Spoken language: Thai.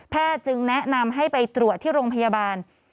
จึงแนะนำให้ไปตรวจที่โรงพยาบาล